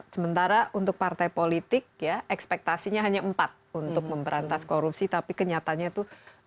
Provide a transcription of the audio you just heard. sementara untuk partai politik ekspektasinya hanya empat untuk pemberantasan korupsi tapi kenyataannya itu dua delapan